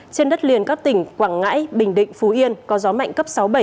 trên đất liền các tỉnh quảng ngãi bình định phú yên có gió mạnh cấp sáu bảy